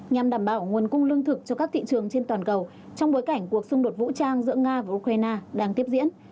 nhằm đảm bảo nguồn cung lương thực cho các thị trường trên toàn cầu trong bối cảnh cuộc xung đột vũ trang giữa nga và ukraine đang tiếp diễn